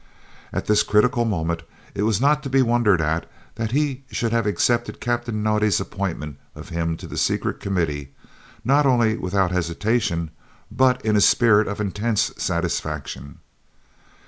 At this critical moment it was not to be wondered at that he should have accepted Captain Naudé's appointment of him on the Secret Committee, not only without hesitation, but in a spirit of intense satisfaction.